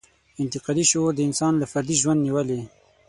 انتقادي شعور د انسان له فردي ژوند نېولې.